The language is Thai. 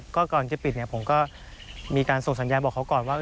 ก็ก่อนจะปิดเนี่ยผมก็มีการส่งสัญญาบอกเขาก่อนว่า